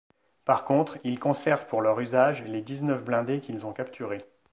Par contre, ils conservent pour leur usage les dix-neuf blindés qu’ils ont capturés.